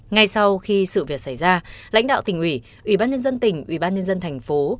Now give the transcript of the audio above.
ngay sau khi sự việc xảy ra lãnh đạo tỉnh ủy ủy ban nhân dân tỉnh ủy ban nhân dân thành phố